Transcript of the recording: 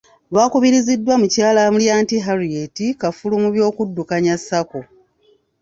Lwakubiriziddwa Mukyala Mulyanti Harriet, kafulu mu by'okuddukanya sacco.